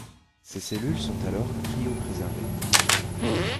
Ces cellules sont alors cryopréservées.